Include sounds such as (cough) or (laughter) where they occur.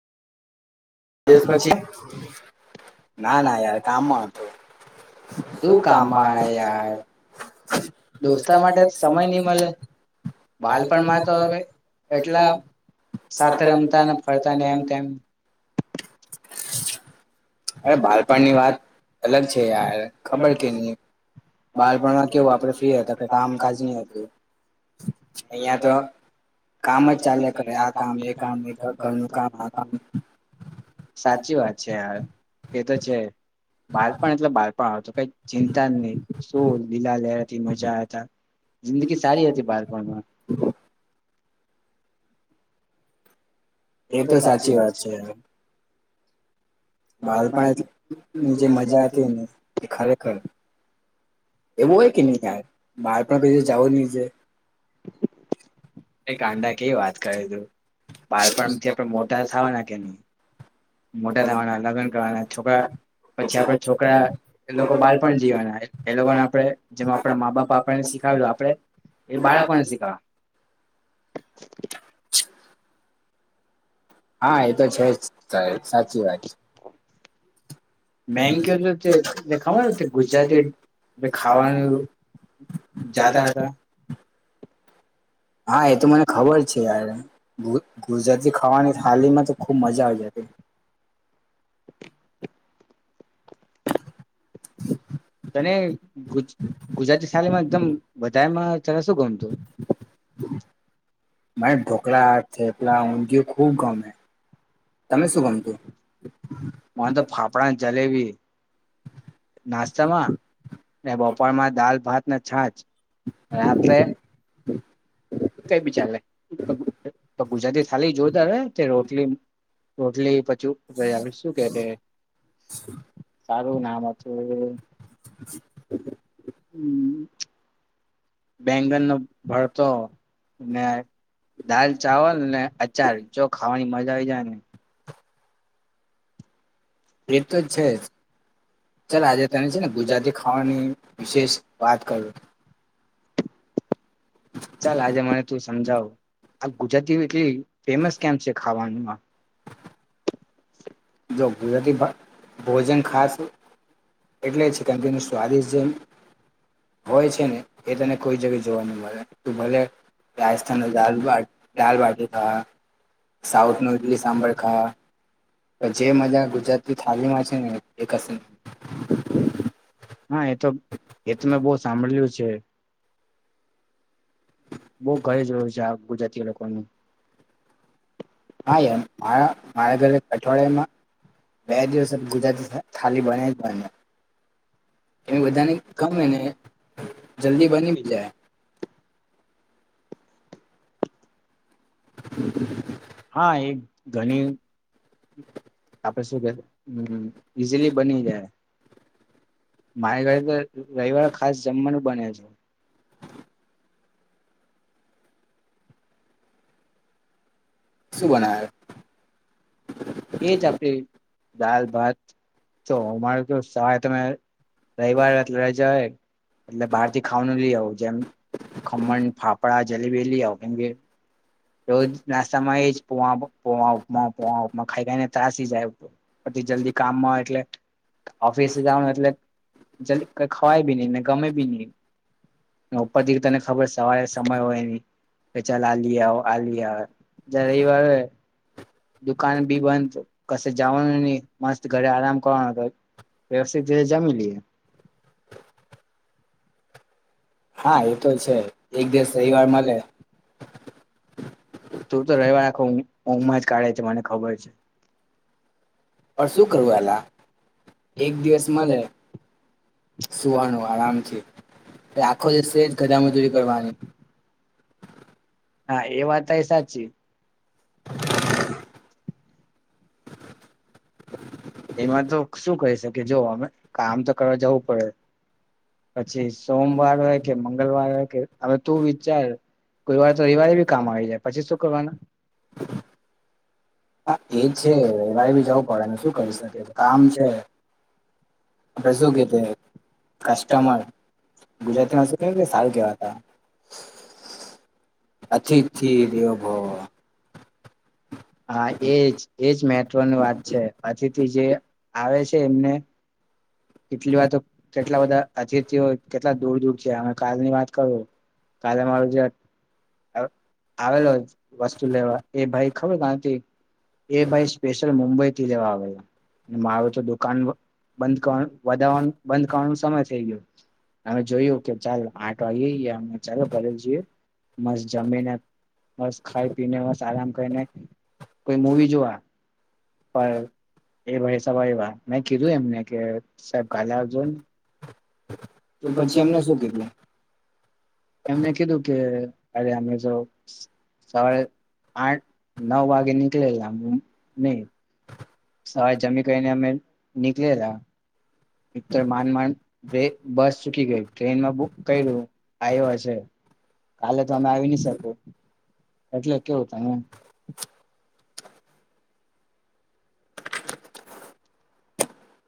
તે પછી ના ના યાર કામમાં હતો શું કામમાં યાર દોસ્તાર માટે સમય ની મલે બાલપણમાં તો હવે એટલા. સાથે રમતા ફરતા ને એમ તેમ. અરે બાળપણની વાત અલગ છે યાર ખબર કે નહી. બાળપણમાં કેવું આપડે ફ્રી હતા કે કામકાજ નહી હતું અહિયાં તો. કામ જ ચાલે કરે આ કામ એ કામ ઘરનું કામ આ કામ. સાચી વાત છે યાર એ તો છે. બારપણ એટલે બારપણ આવતું કઈ ચિંતા જ નહી શું લીલા લહેરતી મજા હતા. જિંદગી સારી હતી બારપણમાં. એ તો સાચી વાત છે. બાળપણ ની જે મજા હતી ને એ ખરેખર. એવો એ કે ન મા પણ પેજ જાઓ ન જે. એ કામ ના કે વી વાત તી. બા પણ મોટા થાવ. પછી આપણા છોકરા તો બાળપણથી. એ આપ પાપા નેખ આપે બાળપને શીખ. (inaudible) હા એ તો છે જ સાચી વાત છે. મેન ક ખ ગુજરાતી ખાવાનું. જાતાતા. હા એ તો મને ખબર છે યાર ગુજરાતી ખાવાની થાલીમાં તો ખુબ મજા આવી જ. (unintelligible) તનેુ ગુજરાતી શાળમાં એકદમ વધારેમાં ત શું ગમતું. મને ઢોકળા હાથ છે પલા ઊંધય ખુબ ગમે. ત શું મ તો ફાફડા જલેબી. નાસ્તામાં ને બપાળ માં દાલ ભાત ને છાત. રાત્રે. કઈ બી ચાલે ગુજરાતી થાલી જોતા હોય કે રોટલી. રોટલી પછી શું કે. (unintelligible) એવું નામ હતુ. હ (unintelligible) હ બેંગન નો ભરતો ને. દાલ, ચાવલ અને અચાર જો ખાવાની મજા આવી જાયને. એ તો જ છે જ. ચાલ આજે તને છે ને ગુજરાતી ખાવાની વિશેષ વાત કરો. (inaudible) ચાલ આજે મને તું સમજાવ. આ ગુજરાતી એટલી ફેમસ કેમ છે ખાવાનુંમાં. (inaudible) ગુજરાતી ભ ભોજન ખાસ એટલે ચિકન તેનું સ્વાદિષ્ટ જેમ. હોય છે ને એ તને કોઈ જગ્યા જોવાનું મળે તું ભલે. રાજસ્થાન દાલ બાટ, દાલ-બાટી હા. સાઉથ નો ઈટલી સાંભર ખાવા. જે માજા ગુજરાતી થ હાલીમ છે ને એ કશે. હા એ તો એ તો મેં બહ સાંભળ્યું છે. બહ ઘરે જોયું છે આ ગુજરાતી લોકોની. હા યાર મા મારા ઘરે અઠવાડિયામાં. બે દિવસ ગુજરાતી થાલી બને જ બને. એને બધાને ગમે અને જલ્દી બની જાય. હા એક ઘણી. આપડે શું કે હ ઈઝીલી બની જાય. મારે ઘરે તો રવિવારે ખાસ જમવાનું બને છે. શું બનાવે. એજ આપડી દાલ ભાત તો અમાર તો સહાય તમે રવિવાર એ રજા હોય એટલે બહાર થી ખાવાનું લઈ આવું જેમ. ખમણ, ફાફડા. જલેબી લી આવ કેમ કે રોજ નાસ્તામાં એ પોહા પો ઉપમા પોહા ખાઈ ખાઈ ને ત્રાસી જાય પછી જલ્દી કામમાં એટલે. ઓફિસે જવાનું એટલે જલ્દી ખવાય બી નઈ ને ગમે બી નહિ. ઉપરથી તને ખબર સવારે સમય હોય એની કે ચાલ આ લ આવો. લી આવે જયારે રવિ વા દુકાન બી બંધ કશે જવાનું નહી મસ્ત ઘરે આરામ કરવાનો હતો. વ્યવસિત જ જામી લઈએ. હા એતો છે, એક દિવસ રવિવાર મળે. તું તો રહેવા આખો ઊંઘ મા જ કાઢે છે મને ખબર છે. પણ શું કરું એલા એક દિવસ મળે. સુવાણી આરામ છે. આખો દિવસ ગધ મજૂરી કરવાની. હા એ વાત એ સાચી. એમાં તો શું કહી શકે જો અમે કામ તો કરવા જવું પડે. પછી સોમવાર હોય કે મંગળવાર હોય કે હવે તું વિચાર. કોઈવાર તો રવિવારે બી કામ આવી જાય પછી શું કરવાનું. હા એજ છે એવાય ભી જવું પડે ને શું કરી શકે કામ છે. આપણે શું કેય કસ્ટમર. ગુજરાતી માં સુ કે કેવાય સારું કેવાતા. અતિથિ દેવો ભવ. હા એજ એજ મેત્વની વાત છે પછી. જે આવે છે, એમને કેટલી વાર, તો કેટલા બધા હજ, હો કેટલા દૂર દૂર છે, અમે કાલની વાત કરું કાલે અમારું જે આવેલો વસ્તુ, લેવા એ ભાઈ ખબર કાથી એ ભાઈ સ્પેશિયલ મુંબઈ કી લેવા આવેમા, આવે તો દુકાન બંધ કરવ વધાવાનું બંધ કરવાનો સમય થઈ, ગયો અમે જોયું, કે ચાલ આઠ વાગેએ અમે ચાલો ઘરે જોઈએ, મસ્ જમીને બસ ખાઈ પીને, બસ આરામ કરીને કોઈ મવી જોવા ફાવે. એ ભાઈ સા એવા, મેં કીધું એમને કે સાહેબ કાલે આવજ તો પછી એમને શું, થ હતું એમને કીધું, કે અરે અમે જો સવારે આઠ નવ વાગે, નનીકળલા મેહી સ જમી, કનેમે નિકલે્યા એકતર માનમાડ બસ ચૂકી, ગય ટ્રેનમાં બુક કર્યું આવ્યો છે. કાલે, તો અમે આવી ન શક એટલે કેવું, તમે